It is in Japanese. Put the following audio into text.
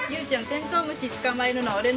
テントウムシ捕まえるのは俺の仕事？